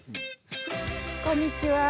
こんにちは。